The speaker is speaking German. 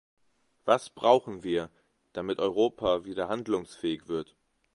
Was brauchen wir, damit Europa wieder handlungsfähig wird?